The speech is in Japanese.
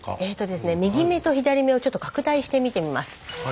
右目と左目をちょっと拡大して見てみます。